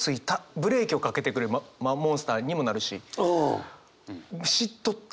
ブレーキをかけてくれるモンスターにもなるし。